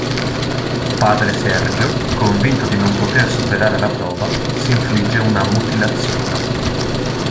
Padre Sergio, convinto di non poter superare la prova, s'infligge una mutilazione.